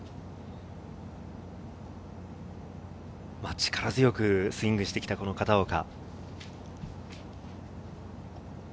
力強くスイングしてきた片岡。